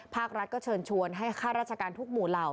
ภาครัฐก็เชิญชวนให้ข้าราชการทุกหมู่เหล่า